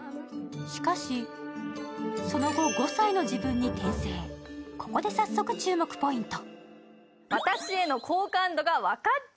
しかしその後、５歳の自分に転生ここで早速、注目ポイント。